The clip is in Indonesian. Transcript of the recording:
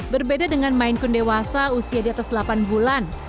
berbeda dengan mainkun dewasa usia di atas delapan bulan